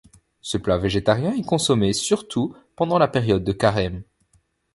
Ce plat végétarien est consommé surtout pendant la période de Carême.